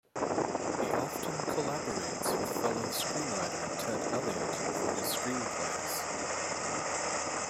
He often collaborates with fellow screenwriter Ted Elliott for his screenplays.